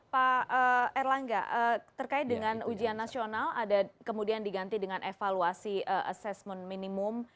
pak erlangga terkait dengan ujian nasional ada kemudian diganti dengan evaluasi assessment minimum